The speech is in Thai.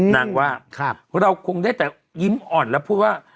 นางว่าเราคงได้แต่ยิ้มอ่อนแล้วพูดว่า